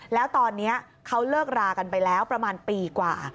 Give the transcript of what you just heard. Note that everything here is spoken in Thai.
แล้วตอนนี้เขาเลิกรากันไปแล้วประมาณปีกว่า